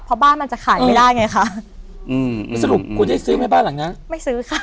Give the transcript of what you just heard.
เพราะบ้านมันจะขายไม่ได้ไงคะอืมสรุปคุณได้ซื้อไหมบ้านหลังนั้นไม่ซื้อค่ะ